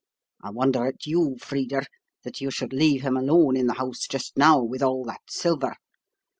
I wonder at you, Frida, that you should leave him alone in the house just now, with all that silver.